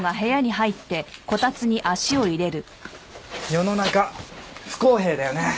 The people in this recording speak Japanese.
世の中不公平だよね。